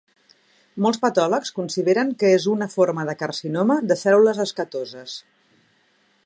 Molts patòlegs consideren que és una forma de carcinoma de cèl·lules escatoses.